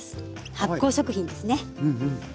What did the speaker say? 発酵食品ですね。